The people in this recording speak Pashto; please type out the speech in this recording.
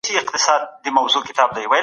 څه شی زموږ د شخصي او فکري پرمختګ کچه لوړوي؟